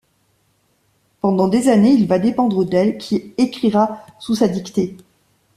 Pendant des années, il va dépendre d'elle, qui écrira sous sa dictée.